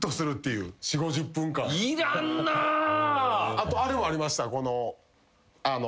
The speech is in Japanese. あとあれもありました。